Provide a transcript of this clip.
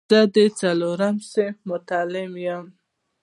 زه د څلورم صنف متعلم وم.